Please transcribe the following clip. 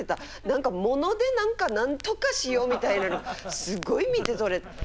何か物で何かなんとかしようみたいなのすごい見て取れて。